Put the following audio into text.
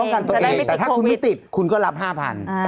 กันตัวเองแต่ถ้าคุณไม่ติดคุณก็รับ๕๐๐บาท